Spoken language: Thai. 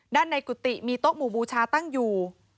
ในกุฏิมีโต๊ะหมู่บูชาตั้งอยู่